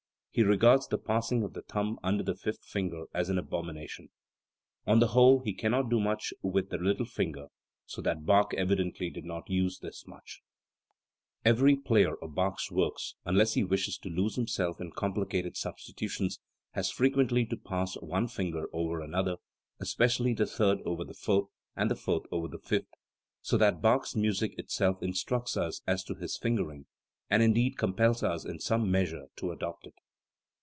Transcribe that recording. He regards the passing of the thumb under the fifth finger as an abomination. On the whole he cannot do much with the little finger; so that Bach evidently did not use this much*. Every player of Bach's works, unless he wishes to lose himself in complicated substitutions has frequently to pass one finger over another, especially the third over the fourth and the fourth over the fifth ; so that Bach's music itself instructs us as to Ms fingering, and indeed compels us in some measure to adopt it.